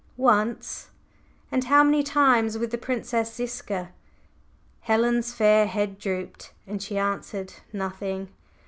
"Once." "And how many times with the Princess Ziska?" Helen's fair head drooped, and she answered nothing.